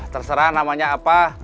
terserah namanya apa